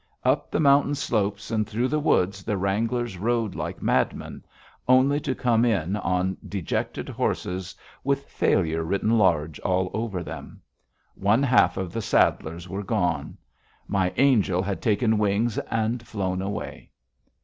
Up the mountain slopes and through the woods the wranglers rode like madmen, only to come in on dejected horses with failure written large all over them. One half of the saddlers were gone; my Angel had taken wings and flown away.